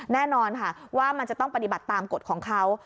แน่นอนค่ะว่ามันจะต้องปฏิบัติตามกฎของเขา